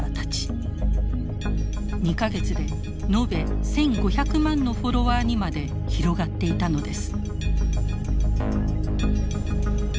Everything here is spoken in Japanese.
２か月で延べ１，５００万のフォロワーにまで広がっていたのです。